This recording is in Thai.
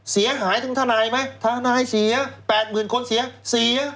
เสียหายถึงทนายไหมทนายเสียแปดหมื่นคนเสียเสีย